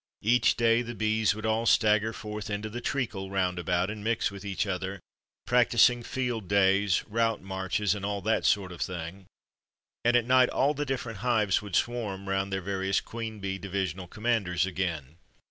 Each day the bees would all stagger forth into the treacle round about and mix with each other, practising field days, route marches, and all that sort of thing, and at night all the different hives would swarm round their various queen bee divisional commanders again.